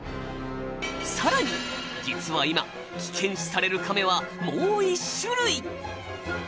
さらに実は今危険視されるカメはもう１種類。